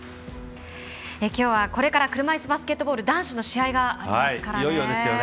きょうはこれから車いすバスケットボール男子の試合がありますからね。